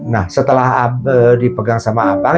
nah setelah dipegang sama apa